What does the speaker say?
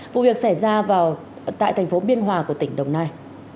vụ việc xảy ra tại thành phố biên hòa của tỉnh đồng nai